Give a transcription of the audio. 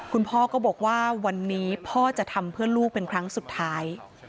คุณพ่อก็บอกว่าวันนี้พ่อจะทำเพื่อลูกเป็นครั้งสุดท้าย